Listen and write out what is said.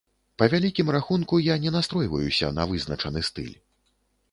Па вялікім рахунку, я не настройваюся на вызначаны стыль.